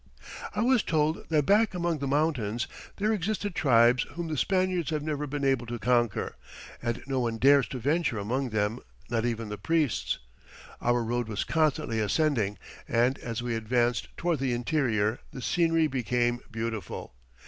"I was told that back among the mountains there existed tribes whom the Spaniards have never been able to conquer, and no one dares to venture among them, not even the priests. Our road was constantly ascending, and as we advanced toward the interior the scenery became beautiful.